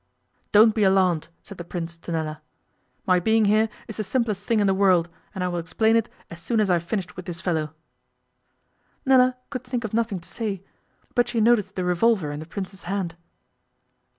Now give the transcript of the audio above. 'Don't be alarmed,' said the Prince to Nella, 'my being here is the simplest thing in the world, and I will explain it as soon as I have finished with this fellow.' Nella could think of nothing to say, but she noticed the revolver in the Prince's hand.